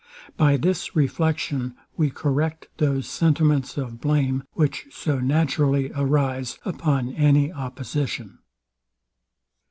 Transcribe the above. By this reflection we correct those sentiments of blame, which so naturally arise upon any opposition.